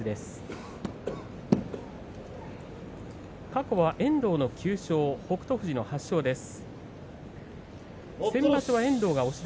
過去は遠藤の９勝北勝富士の８勝です。